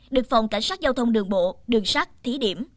được phòng cảnh sát giao thông đường bộ đường sát thí điểm